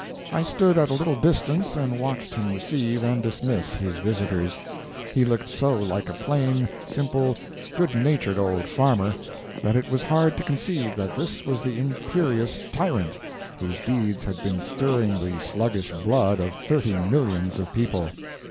I stood at a little distance and watched him receive and dismiss his visitors. He looked so like a plain, simple, good natured old farmer, that it was hard to conceive that this was the imperious "tyrant" whose deeds had been stirring the sluggish blood of thirty millions of people.